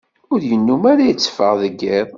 Ur yennum ara yetteffeɣ deg iḍ.